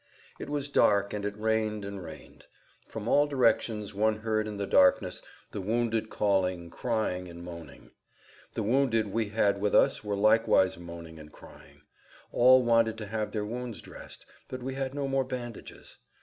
It was dark, and it rained and rained. From all[Pg 90] directions one heard in the darkness the wounded calling, crying, and moaning. The wounded we had with us were likewise moaning and crying. All wanted to have their wounds dressed, but we had no more bandages.